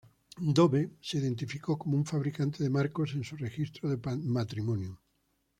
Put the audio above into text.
Dove se identificó como un fabricante de marcos en su registro de matrimonio.